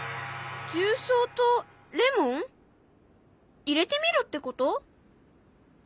重曹とレモン？入れてみろってこと？